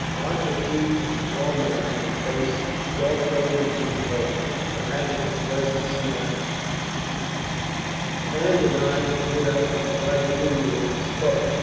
Marshal Keith was a tall man, with a face thoughtful in repose, but having a pleasant smile, and an eye that lit up with quiet humour when he spoke.